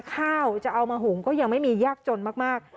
ข้าวจะเอามาหุงก็ยังไม่มียากจนมาก